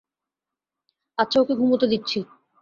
আচ্ছা, ওকে ঘুমাতে দিচ্ছি।